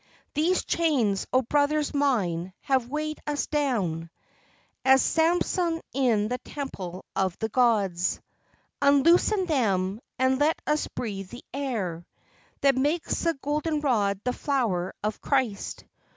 These chains, O brothers mine, have weighed us down As Samson in the temple of the gods; Unloosen them and let us breathe the air That makes the goldenrod the flower of Christ.